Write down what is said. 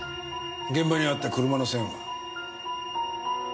現場にあった車の線は？